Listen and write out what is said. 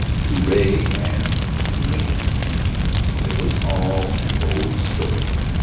To Ray and to many of his men it was all an old story.